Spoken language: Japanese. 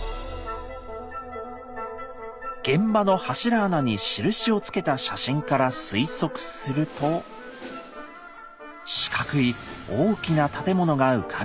現場の柱穴に印をつけた写真から推測すると四角い大きな建物が浮かび上がります。